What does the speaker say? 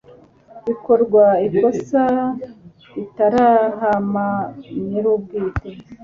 bikorwa ikosa ritarahama nyir'ubwite